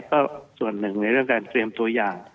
ก็ส่วนหนึ่งในเรื่องการเตรียมตัวอย่าง